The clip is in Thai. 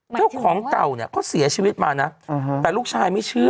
เจ้าของเก่าเนี่ยเขาเสียชีวิตมานะแต่ลูกชายไม่เชื่อ